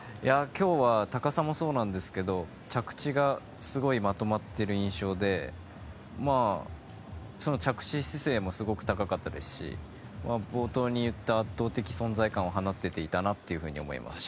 今日は高さもそうなんですが着地がすごいまとまっている印象でその着地姿勢もすごく高かったですし冒頭に言った圧倒的存在感を放っていたなと思います。